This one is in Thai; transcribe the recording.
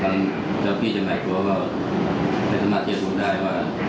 หลังจากนี้ยังไหนก็จะมาเชี่ยงพูดได้ว่า